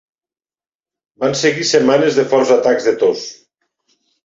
Van seguir setmanes de forts atacs de tos.